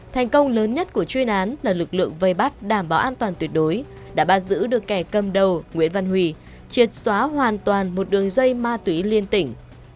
thành công lớn nhất của chuyên án là lực lượng vây bắt đảm bảo an toàn tuyệt đối đã bắt giữ được kẻ cầm đầu nguyễn văn huy triệt xóa hoàn toàn một đường dây ma túy liên tỉnh